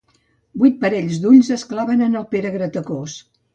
Vuit parell d'ulls es claven en el Pere Gratacós.